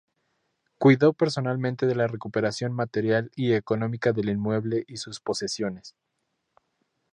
Cuidó personalmente de la recuperación material y económica del inmueble y sus posesiones.